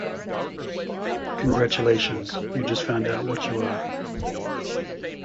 Congratulations, you just found out what you are.